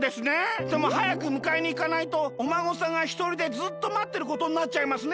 でもはやくむかえにいかないとおまごさんがひとりでずっとまってることになっちゃいますね。